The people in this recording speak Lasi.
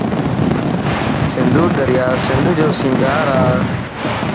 سنڌو دريا سنڌ جو سينگار ا